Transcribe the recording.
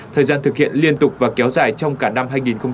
thời gian thực hiện liên tục và kéo dài trong cả năm hai nghìn hai mươi